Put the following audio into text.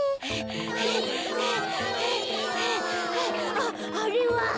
あっあれは！